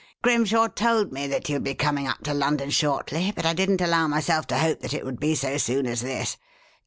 "Grimshaw told me that you would be coming up to London shortly, but I didn't allow myself to hope that it would be so soon as this.